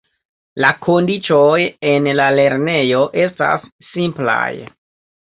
La kondiĉoj en la lernejo estas simplaj.